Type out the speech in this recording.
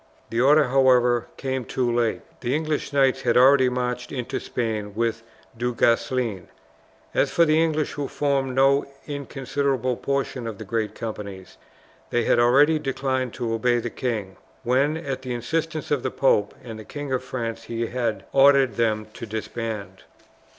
The order, however, came too late. The English knights had already marched into Spain with Du Guesclin. As for the English who formed no inconsiderable portion of the great companies, they had already declined to obey the king, when, at the insistence of the pope and the King of France, he had ordered them to disband.